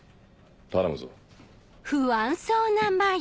頼むぞ。